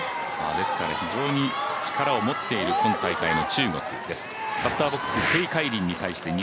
ですから非常に力を持っている今大会の中国です。